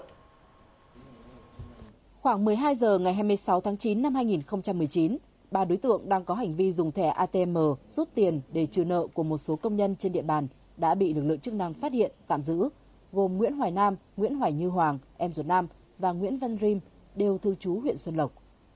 khoảng một mươi hai h ngày hai mươi sáu tháng chín năm hai nghìn một mươi chín ba đối tượng đang có hành vi dùng thẻ atm rút tiền để trừ nợ của một số công nhân trên địa bàn đã bị lực lượng chức năng phát hiện tạm giữ gồm nguyễn hoài nam nguyễn hoài như hoàng em ruột nam và nguyễn văn rim đều thư chú huyện xuân lộc